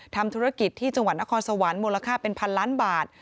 ทำธุรกิจที่จังหวัดนครสวรรค์มูลค่าเป็นพันล้านบาท